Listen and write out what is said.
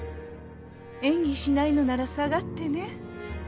演技しないのなら下がってね。